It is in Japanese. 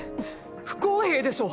不公平でしょう！